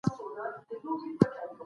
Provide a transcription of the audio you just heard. قوانین باید عادلانه وي.